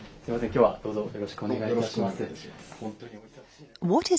きょうは、どうぞよろしくお願いいたします。